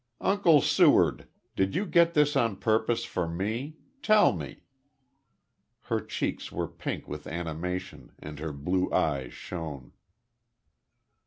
"Uncle Seward, did you get this on purpose for me? Tell me." Her cheeks were pink with animation, and her blue eyes shone.